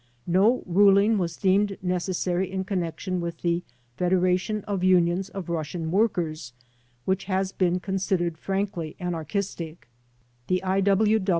No ruling was deemed necessary in connection with the Federation of Unions of Russian Workers, which has been consid ered frankly anarchistic. The I.